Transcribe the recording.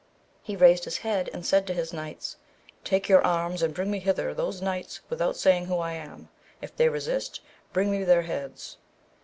He raised his head and said to his knights, take your arms and bring me hither those knights without saying who I am, if they resist, bring me their heads.